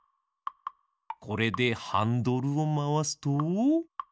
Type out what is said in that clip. これでハンドルをまわすと。